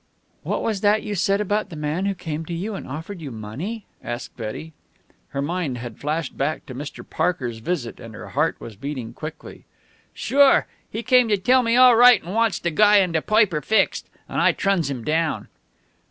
"What was that you said about the man who came to you and offered you money?" asked Betty. Her mind had flashed back to Mr. Parker's visit, and her heart was beating quickly. "Sure! He come to me all right an' wants de guy on de poiper fixed. An' I truns him down."